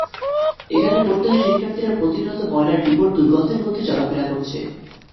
এখানে পড়তে আসা শিক্ষার্থীরা প্রতিনিয়ত ময়লার ডিপোর দুর্গন্ধের মধ্যে চলাফেরা করছে।